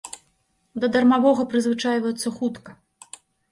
Да дармовага прызвычайваюцца хутка.